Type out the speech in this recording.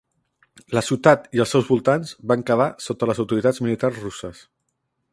La ciutat i els seus voltants van quedar sota les autoritats militars russes.